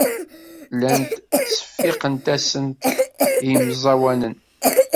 Llant ttseffiqent-asen i yemẓawanen.